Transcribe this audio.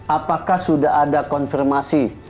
apakah sudah ada konfirmasi